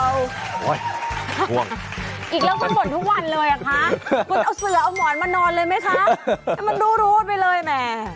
อีกแล้วคุณบ่นทุกวันเลยอ่ะคะคุณเอาเสือเอาหมอนมานอนเลยไหมคะให้มันรู้ไปเลยแหม